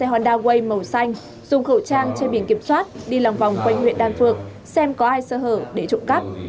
honda way màu xanh dùng khẩu trang trên biển kiểm soát đi lòng vòng quanh huyện đan phược xem có ai sơ hở để trộm cắp